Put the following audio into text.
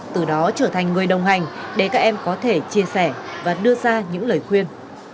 từ đó trở thành người đồng hành để các em có thể chia sẻ và đưa ra những lời khuyên